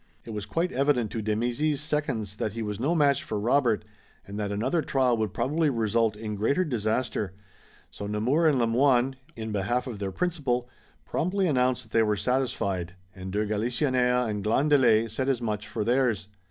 It was quite evident to de Mézy's seconds that he was no match for Robert, and that another trial would probably result in greater disaster, so Nemours and Le Moyne, in behalf of their principal, promptly announced that they were satisfied, and de Galisonnière and Glandelet said as much for theirs.